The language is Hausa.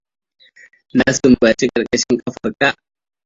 Na sumbaci ƙarƙashin ƙafarka.